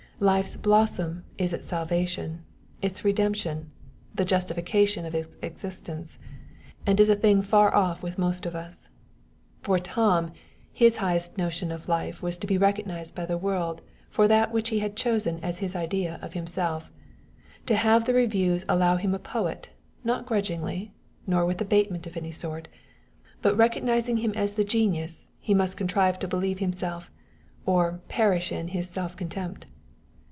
Life's blossom is its salvation, its redemption, the justification of its existence and is a thing far off with most of us. For Tom, his highest notion of life was to be recognized by the world for that which he had chosen as his idea of himself to have the reviews allow him a poet, not grudgingly, nor with abatement of any sort, but recognizing him as the genius he must contrive to believe himself, or "perish in" his "self contempt."